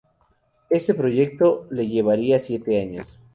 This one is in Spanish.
Este proyecto le llevaría siete años.